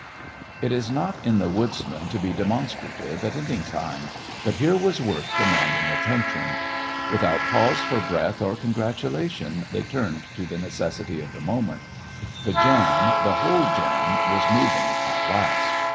It is not in the woodsman to be demonstrative at any time, but here was work demanding attention. Without a pause for breath or congratulation they turned to the necessity of the moment. The jam, the whole jam, was moving at last.